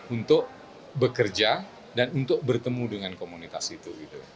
untuk bekerja dan untuk bertemu dengan komunitas itu